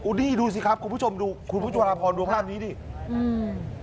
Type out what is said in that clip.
นี่ดูสิครับคุณผู้ชมดูคุณผู้ชมดูภาพนี้ดิอืม